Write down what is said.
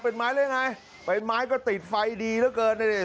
เป็นไม้หรือยังไงเป็นไม้ก็ติดไฟดีเหลือเกินนี่